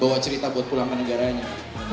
bawa cerita buat pulang ke negaranya